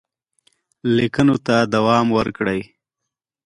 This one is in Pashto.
لیکونو ته دوام ورکړئ.